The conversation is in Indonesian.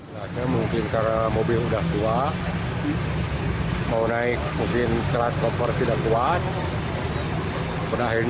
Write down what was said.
lalu mundur lagi langsung menabrak pembatas dan langsung terguling